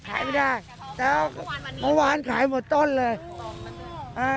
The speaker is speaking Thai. ขายไม่ได้แต่ว่าเมื่อวานมานี้เมื่อวานขายหมดต้นเลยอ่า